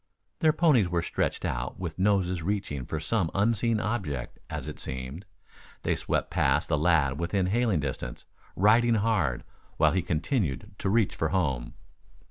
Their ponies were stretched out with noses reaching for some unseen object, as it seemed. They swept past the lad within hailing distance, riding hard, while he continued to reach for home.